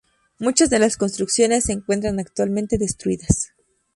Muchas de las construcciones se encuentran actualmente destruidas.